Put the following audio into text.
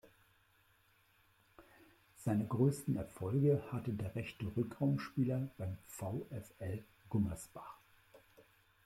Seine größten Erfolge hatte der rechte Rückraumspieler beim VfL Gummersbach.